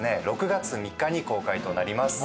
６月３日に公開となります。